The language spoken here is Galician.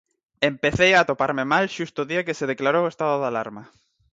Empecei a atoparme mal xusto o día que se declarou o Estado de Alarma.